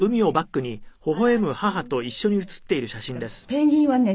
ペンギンはね